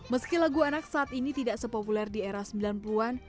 meski lagu anak saat ini tidak sepopuler di era sembilan puluh an